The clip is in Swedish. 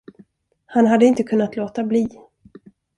Han hade inte kunnat låta bli.